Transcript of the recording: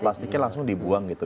plastiknya langsung dibuang gitu